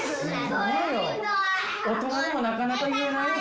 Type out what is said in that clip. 大人でもなかなか言えないよ